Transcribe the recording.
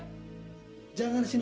jangan sinis begitu sama aku erna